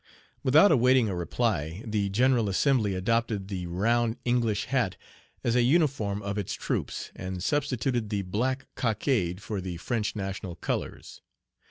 Without awaiting a reply, the General Assembly adopted the Page 51 round English hat as a uniform of its troops, and substituted the black cockade for the French national colors.